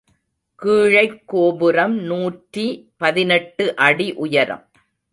கீழைக்கோபுரம் நூற்றி பதினெட்டு அடி உயரம்.